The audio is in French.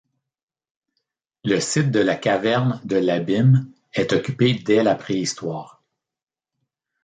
Le site de la caverne de l'Abîme est occupé dès la préhistoire.